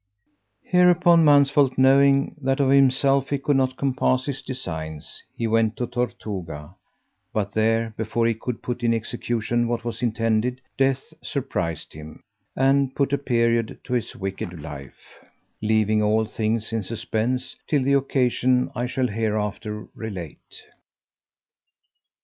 Hereupon, Mansvelt, knowing that of himself he could not compass his designs, he went to Tortuga; but there, before he could put in execution what was intended, death surprised him, and put a period to his wicked life, leaving all things in suspense till the occasion I shall hereafter relate.